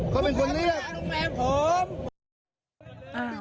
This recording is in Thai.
เขาเป็นคนเรียก